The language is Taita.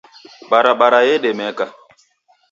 Barabara yedemeka.